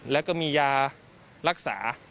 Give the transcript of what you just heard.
แล้วก็มียารักษา